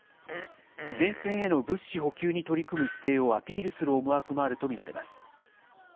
前線への物資補給に取り組む姿勢をアピールする思惑もあると見られます。